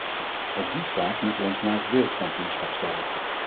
Ook die vraag moeten we ons na het wereldkampioenschap stellen.